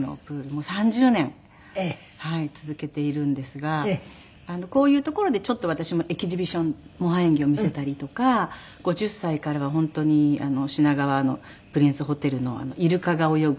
もう３０年続けているんですがこういう所でちょっと私もエキシビション模範演技を見せたりとか５０歳からは本当に品川のプリンスホテルのイルカが泳ぐ。